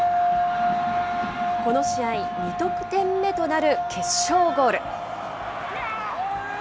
この試合、２得点目となる決勝ゴール。